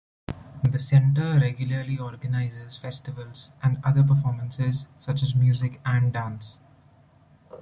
The centre regularly organises festivals and other performances, such as music and dance.